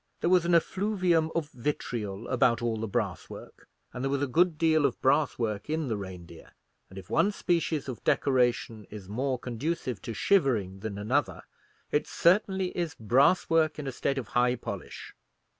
There was an effluvium of vitriol about all the brass work, and there was a good deal of brass work in the Reindeer: and if one species of decoration is more conducive to shivering than another, it certainly is brass work in a state of high polish.